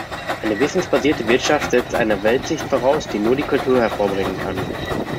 Eine wissensbasierte Wirtschaft setzt eine Weltsicht voraus, die nur die Kultur hervorbringen kann.